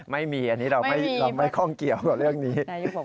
ไม่มีอันนี้เราไม่ข้องเกี่ยวกับเรื่องนี้